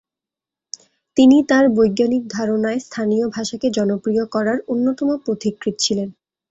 তিনি তাঁর বৈজ্ঞানিক ধারনায় স্থানীয় ভাষাকে জনপ্রিয় করার অন্যতম পথিকৃৎ ছিলেন।